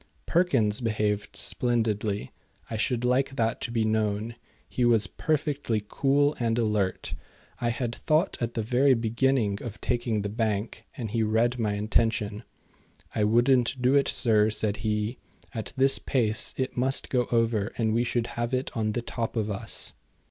Perkins behaved splendidly. I should like that to be known. He was perfectly cool and alert. I had thought at the very beginning of taking the bank, and he read my intention. "I wouldn't do it, sir," said he. "At this pace it must go over and we should have it on the top of us."